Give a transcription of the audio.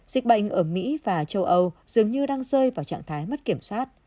dịch bệnh ở mỹ và châu âu dường như đang rơi vào trạng thái mất kiểm soát